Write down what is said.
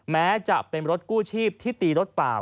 แม้จะเป็นรถกู้ชีพที่ตีรถเปล่า